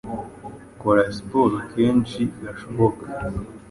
Kora siporo kenshi gashoboka.